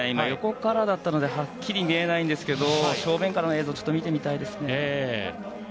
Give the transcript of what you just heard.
横からだったのではっきり見えないんですが正面からの映像を見てみたいですね。